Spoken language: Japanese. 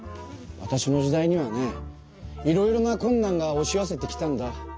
わたしの時代にはねいろいろなこんなんがおし寄せてきたんだ。